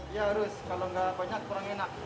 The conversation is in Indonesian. ya harus kalau nggak banyak kurang enak